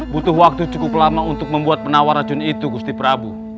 butuh waktu cukup lama untuk membuat penawar racun itu gusti prabu